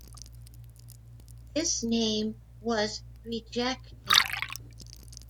This name was rejected.